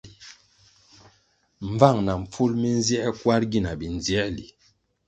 Mbvang na mpful mi nzier kwar gina mindzierli.